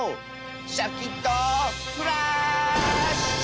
シャキットフラーッシュ！